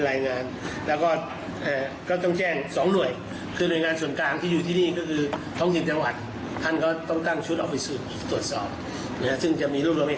มันเป็นความผิดที่คือพฤติกรรมความเสี่ยบเสีย